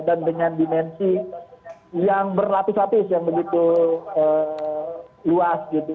dan dengan dimensi yang berlatis latis yang begitu luas gitu